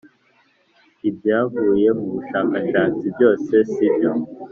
ibyavuye mu bushakashatsi byose sibyo.